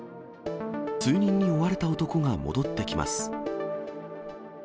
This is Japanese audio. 数人に追われた男が戻ってきます。